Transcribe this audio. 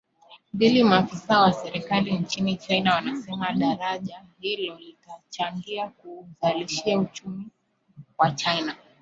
mbili Maafisa wa serikali nchini China wanasema daraja hilo litachangia kuuzalishia uchumi wa China